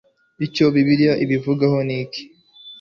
Icyo Bibiliya ibivugaho niki